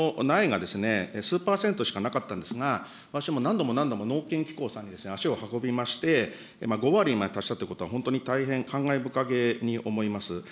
当時はこの苗が数パーセントしかなかったんですが、何度も何度も農研機構さんに足を運びまして、５割まで達したということは本当に大変感慨深げに思います。